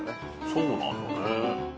そうなんだね。